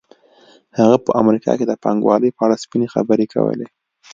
هغه په امریکا کې د پانګوالۍ په اړه سپینې خبرې کولې